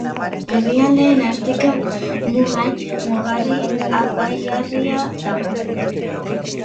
Herrialdeen arteko mugan mugarri aipagarria dago.